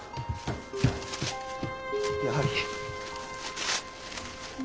やはり。